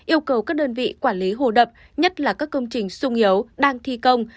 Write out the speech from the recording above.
yêu cầu các đơn vị quản lý hồ đập nhất là các công trình sung yếu đang thi công